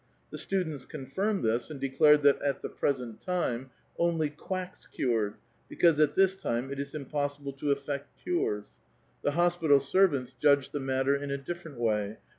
The students confirmed this, and declared that at the present time only quacks cured, because at this time it is impossible to effect cures. The hospital servants judged the matter in a different way.